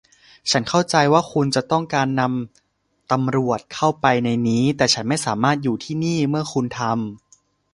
ฉันเข้าใจว่าคุณจะต้องการนำตำรวจเข้าไปในนี้ แต่ฉันไม่สามารถอยู่ที่นี่เมื่อคุณทำ